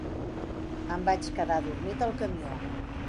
Em vaig quedar adormit al camió.